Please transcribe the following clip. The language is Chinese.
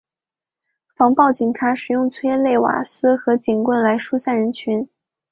防暴警察使用催泪瓦斯和警棍来疏散人群。